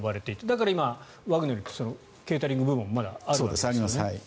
だから今、ワグネルもケータリング部門まだあるんですよね。